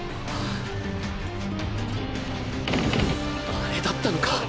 あれだったのか！